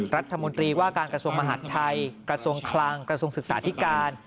รัฐมนตรีว่าการกระทรวงมหาดไทยกระทรวงคลังกระทรวงศึกษาธิการ